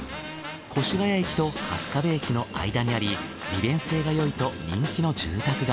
越谷駅と春日部駅の間にあり利便性が良いと人気の住宅街。